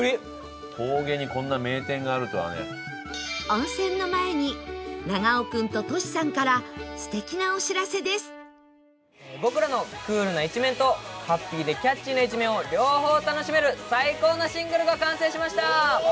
温泉の前に長尾君とトシさんから僕らのクールな一面とハッピーでキャッチーな一面を両方楽しめる最高のシングルが完成しました！